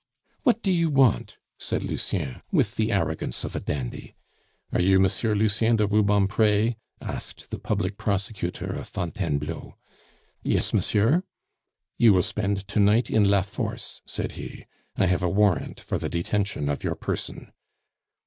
"What do you want?" said Lucien, with the arrogance of a dandy. "Are you Monsieur Lucien de Rubempre?" asked the public prosecutor of Fontainebleau. "Yes, monsieur." "You will spend to night in La Force," said he. "I have a warrant for the detention of your person."